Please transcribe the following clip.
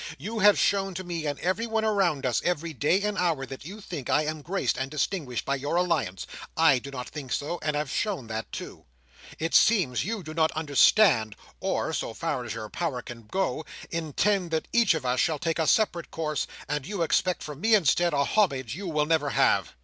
You have shown to me and everyone around us, every day and hour, that you think I am graced and distinguished by your alliance. I do not think so, and have shown that too. It seems you do not understand, or (so far as your power can go) intend that each of us shall take a separate course; and you expect from me instead, a homage you will never have."